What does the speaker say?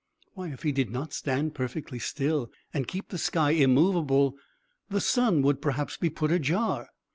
Why, if he did not stand perfectly still, and keep the sky immovable, the sun would perhaps be put ajar!